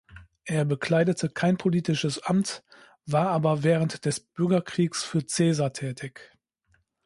Er bekleidete kein politisches Amt, war aber während des Bürgerkriegs für Caesar tätig.